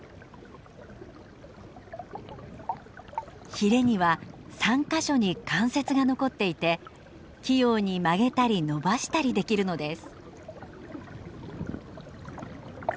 ひれには３か所に関節が残っていて器用に曲げたり伸ばしたりできるのです。